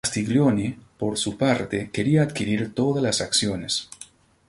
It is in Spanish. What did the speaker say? Castiglioni, por su parte, quería adquirir todas las acciones.